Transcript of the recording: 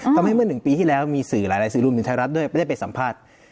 ทำให้เมื่อ๑ปีที่แล้วมีหลายสื่อรูปในไทยรัฐด้วยได้ไปสัมภาษณ์